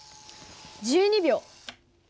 １２秒。